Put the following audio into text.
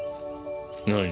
何？